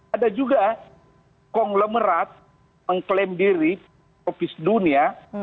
ada juga konglomerat mengklaim diri tropis dunia